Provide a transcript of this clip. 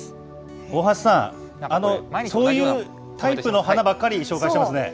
大橋さん、そういうタイプの花ばっかり紹介してますね。